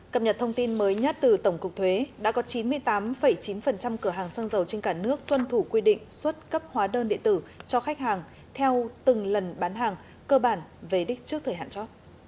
cập nhật thông tin mới nhất từ tổng cục thuế đã có chín mươi tám chín cửa hàng xăng dầu trên cả nước tuân thủ quy định xuất cấp hóa đơn điện tử cho khách hàng theo từng lần bán hàng cơ bản về đích trước thời hạn cho